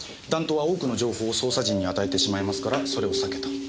弾頭は多くの情報を捜査陣に与えてしまいますからそれを避けた。